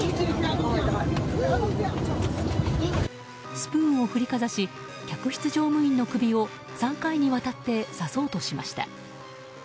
スプーンを振りかざし客室乗務員の首を３回にわたって刺そうとしました。